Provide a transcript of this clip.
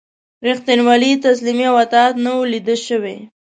ریښتینولي، تسلیمي او اطاعت نه وه لیده شوي.